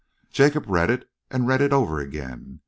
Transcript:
Jacob read it, and read it over again.